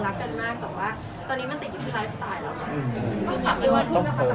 แต่ว่าตอนนี้มันติดอยู่ที่ไลฟ์สไตล์เราค่ะ